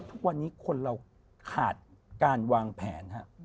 ทุกวันนี้คนเราขาดการวางแผนฮะ